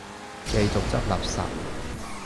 繼續執垃圾